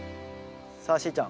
さあしーちゃん